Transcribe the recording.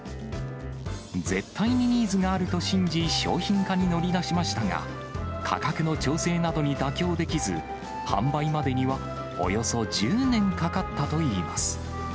絶対にニーズがあると信じ、商品化に乗り出しましたが、価格の調整などに妥協できず、販売までにはおよそ１０年かかったといいます。